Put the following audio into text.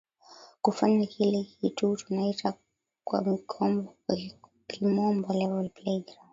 kufanya kile kitu tunaita kwa kimombo level play ground